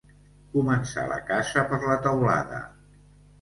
Començar la casa per la teulada.